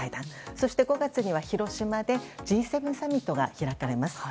そして５月には広島でＧ７サミットが開かれます。